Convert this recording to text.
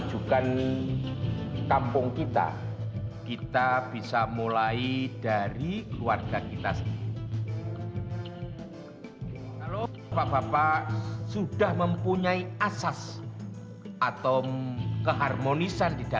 sampai jumpa di video selanjutnya